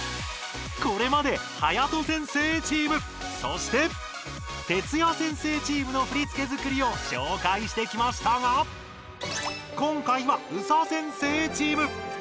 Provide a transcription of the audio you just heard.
これまではやと先生チームそしてＴＥＴＳＵＹＡ先生チームの振付づくりを紹介してきましたが今回はＳＡ先生チーム！